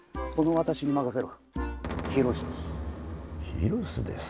ヒロシです。